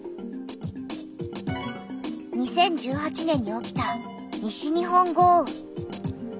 ２０１８年に起きた西日本豪雨。